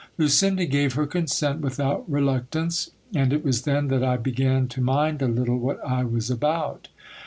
Lucinda gave her consent without reluctance, and it was then that I began to mind a little what I was about.